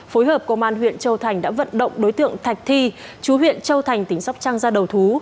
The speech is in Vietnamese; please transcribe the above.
phối hợp công an huyện châu thành đã vận động đối tượng thạch thi chú huyện châu thành tỉnh sóc trăng ra đầu thú